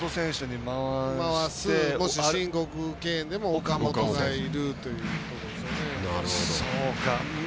もし申告敬遠でも岡本がいるということですよね。